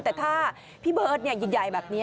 แต่ถ้าพี่เบิร์ตยิ่งใหญ่แบบนี้